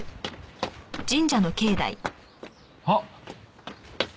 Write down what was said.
あっ。